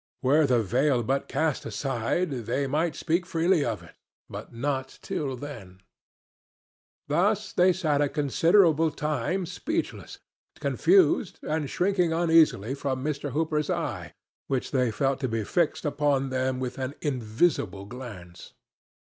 Were the veil but cast aside, they might speak freely of it, but not till then. Thus they sat a considerable time, speechless, confused and shrinking uneasily from Mr. Hooper's eye, which they felt to be fixed upon them with an invisible glance.